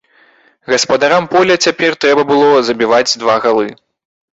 Гаспадарам поля цяпер трэба было забіваць два галы.